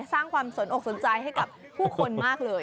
สร้างความสนอกสนใจให้กับผู้คนมากเลย